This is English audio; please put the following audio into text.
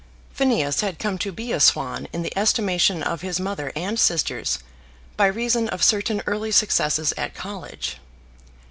Phineas had come to be a swan in the estimation of his mother and sisters by reason of certain early successes at college.